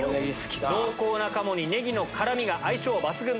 濃厚な鴨にネギの辛みが相性抜群！